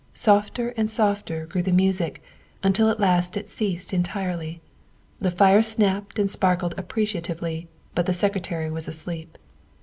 Softer and softer grew the music until at last it ceased entirely; the fire snapped and sparkled appreciatively, but the Secretary was asleep.